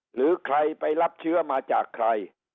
หรือใครไปรับเชื้อมาจากใคร